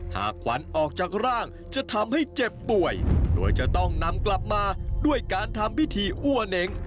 หากขวัญออกจากร่างจะทำให้เจ็บป่วยโดยจะต้องนำกลับมาด้วยการทำพิธีอ้วเน้ง